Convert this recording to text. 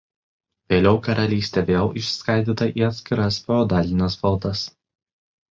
Vėliau karalystė vėl išskaidyta į atskiras feodalines valdas.